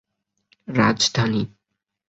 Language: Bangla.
রাজধানী